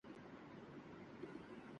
یارب! میں کس غریب کا بختِ رمیدہ ہوں!